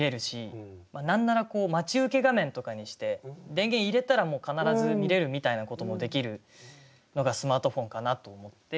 何なら待ち受け画面とかにして電源入れたらもう必ず見れるみたいなこともできるのがスマートフォンかなと思って。